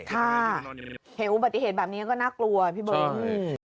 ค่ะเห็นอุบัติเหตุแบบนี้ก็น่ากลัวพี่เบิร์ต